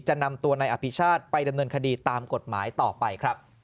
จะนำตัวในอภิชาธิ์ไปดำเนินคดีตามกฎหมายต่อไป